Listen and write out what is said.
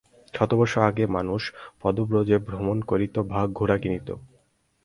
শতবর্ষ আগে মানুষ পদব্রজে ভ্রমণ করিত বা ঘোড়া কিনিত।